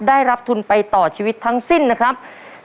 ได้รับทุนไปต่อชีวิตทั้งสิ้นนะครับ